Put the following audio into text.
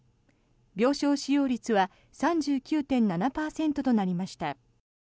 病床使用率は３９．７％となりました。